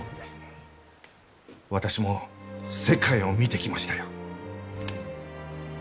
私も世界を見てきましたよ。